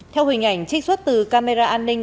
theo hình ảnh trích xuất từ camera an ninh